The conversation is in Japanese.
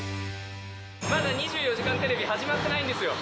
まだ『２４時間テレビ』始まってないんですよ。